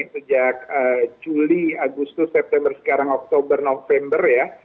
sejak juli agustus september sekarang oktober november ya